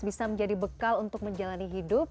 bisa menjadi bekal untuk menjalani hidup